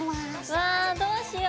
わぁどうしよう。